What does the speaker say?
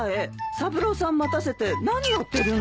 三郎さん待たせて何やってるんだい。